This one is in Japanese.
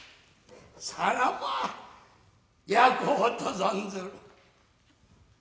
さらば焼こうと存ずる。